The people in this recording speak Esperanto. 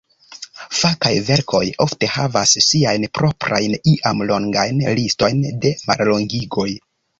Fakaj verkoj ofte havas siajn proprajn, iam longajn, listojn de mallongigoj.